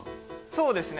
そうですね